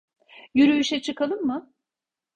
Yürüyüşe çıkalım mı?